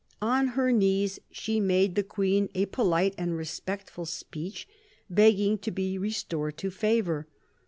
On her knees she made the Queen a pohte and respectful speech, begging to be restored to favour.